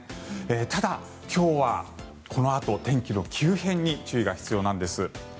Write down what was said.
ただ、今日はこのあと天気の急変に注意が必要です。